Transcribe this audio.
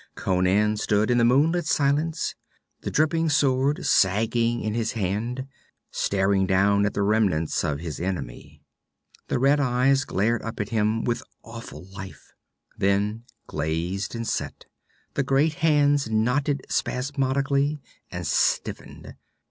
Conan stood in the moonlit silence, the dripping sword sagging in his hand, staring down at the remnants of his enemy. The red eyes glared up at him with awful life, then glazed and set; the great hands knotted spasmodically and stiffened.